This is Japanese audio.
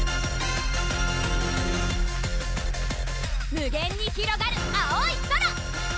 無限にひろがる青い空！